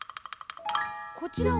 こちらは？